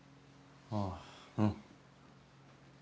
ああうん。